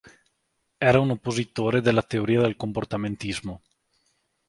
Era un oppositore della teoria del comportamentismo.